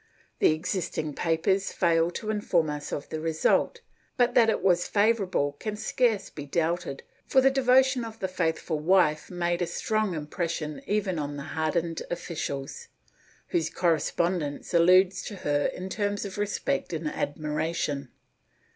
The existing papers fail to inform us of the result, but that it was favorable can scarce be doubted, for the devotion of the faithful wife made a strong impression even on the hardened officials, whose corre spondence alludes to her in terms of respect and admiration.